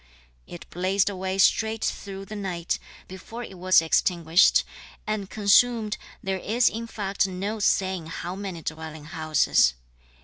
It blazed away straight through the night, before it was extinguished, and consumed, there is in fact no saying how many dwelling houses.